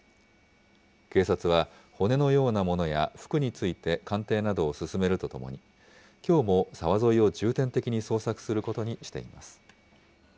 警察は、骨のようなものや服について、鑑定などを進めるとともに、きょうも沢沿いを重点的に捜索することにしています。